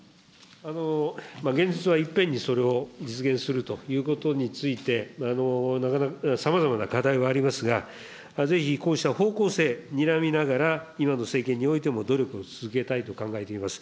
現実はいっぺんにそれを実現するということについて、さまざまな課題がありますが、ぜひこうした方向性、にらみながら、今の政権においても努力を続けたいと考えています。